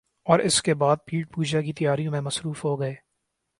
اوراس کے بعد پیٹ پوجا کی تیاریوں میں مصروف ہو گئے ۔